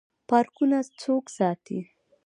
پارکونه څوک ساتي؟